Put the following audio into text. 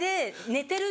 寝てる？